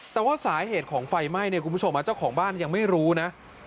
แต่ว่าสาเหตุของไฟไหม้เนี่ยคุณผู้ชมเจ้าของบ้านยังไม่รู้นะ